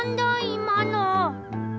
いまの！